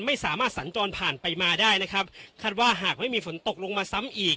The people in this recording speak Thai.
ไม่สามารถสัญจรผ่านไปมาได้นะครับคาดว่าหากไม่มีฝนตกลงมาซ้ำอีก